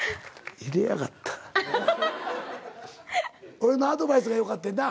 俺のアドバイスがよかってんな。